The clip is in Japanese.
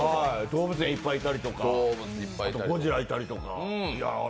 動物いっぱいいたりとかゴジラいたりとか。